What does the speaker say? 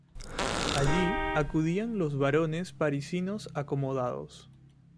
Allí acudían los varones parisinos acomodados.